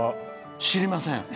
知りません。